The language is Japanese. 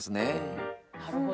なるほど。